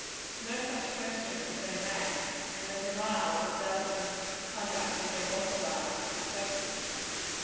No such question was then made, and the denial that Dahlgren's conduct had been authorized was accepted.